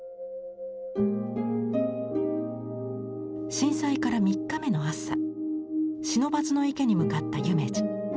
震災から３日目の朝不忍池に向かった夢二。